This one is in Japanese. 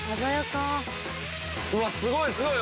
うわっすごいすごい！